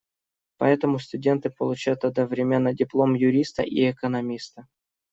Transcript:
Поэтому студенты получают одновременно диплом юриста и экономиста.